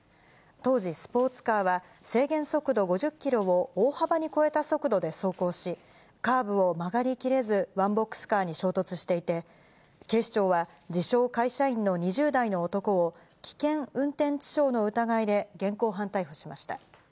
当時、スポーツカーは制限速度５０キロを大幅に超えた速度で走行し、カーブを曲がりきれず、ワンボックスカーに衝突していて、警視庁は、自称会社員の２０代の男を、危険運転致傷の疑いで現行犯逮捕しました。